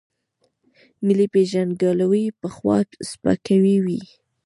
ملي پېژندګلوۍ پخوا سپکاوی و.